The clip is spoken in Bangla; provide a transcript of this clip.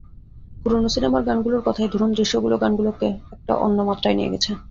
পুরোনো সিনেমার গানগুলোর কথাই ধরুন, দৃশ্যগুলো গানগুলোকে একটা অন্য মাত্রায় নিয়ে গেছে।